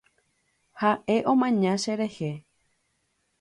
Ha’e omaña cherehe.